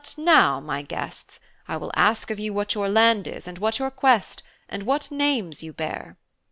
But now, my guests, I will ask of you what your land is, and what your quest, and what names you bear.'